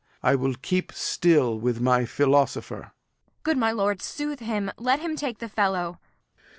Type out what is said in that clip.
I will keep still with my philosopher. Kent. Good my lord, soothe him; let him take the fellow.